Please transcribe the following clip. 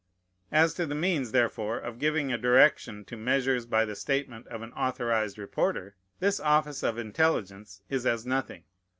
As to the means, therefore, of giving a direction to measures by the statement of an authorized reporter, this office of intelligence is as nothing.